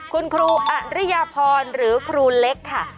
คุณครูอริยพรหรือครูเล็กค่ะ